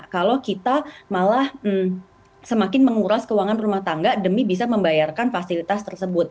kalau kita malah semakin menguras keuangan rumah tangga demi bisa membayarkan fasilitas tersebut